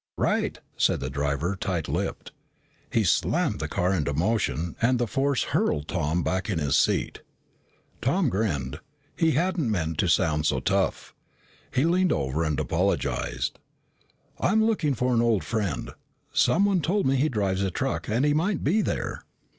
"Right," said the driver, tight lipped. He slammed the car into motion and the force hurled Tom back in his seat. Tom grinned. He hadn't meant to sound so tough. He leaned over and apologized. "I'm looking for an old friend. Someone told me he drives a truck and he might be there."